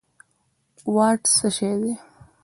واټ څه شی دي